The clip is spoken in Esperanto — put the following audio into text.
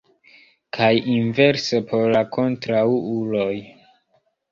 Kaj inverse por la kontraŭuloj.